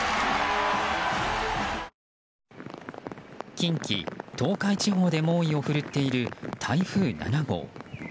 近畿、東海地方で猛威を振るっている台風７号。